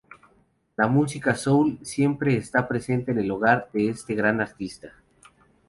La música soul estaba siempre presente en el hogar de este gran artista.